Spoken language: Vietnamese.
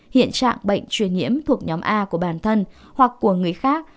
hiện trạng bệnh truyền nhiễm thuộc nhóm a của bản thân hoặc của người khác